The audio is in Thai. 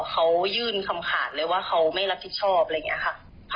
เขายื่นคำขาดเลยว่าเขาไม่รับผิดชอบอะไรอย่างนี้ค่ะ